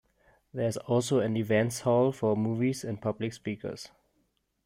There is also an events hall for movies and public speakers.